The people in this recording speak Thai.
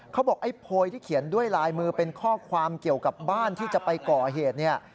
เขาบอกไอ้โพยที่เขียนด้วยลายมือเป็นข้อความเกี่ยวกับบ้านที่จะไปก่อเหตุเนี่ย